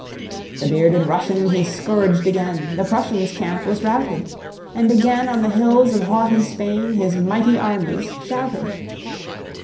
The bearded Russian he scourged again, The Prussian's camp was routed, And again on the hills of haughty Spain His mighty armies shouted.